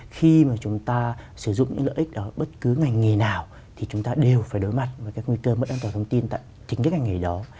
khi mà chúng ta sử dụng những lợi ích đó bất cứ ngành nghề nào thì chúng ta đều phải đối mặt với các nguy cơ mất an toàn thông tin tại chính cái ngành nghề đó